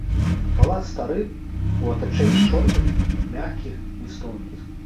Палац стары, у атачэнні чорных, мяккіх лістоўніц.